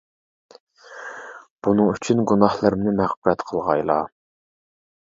بۇنىڭ ئۈچۈن گۇناھلىرىمنى مەغپىرەت قىلغايلا.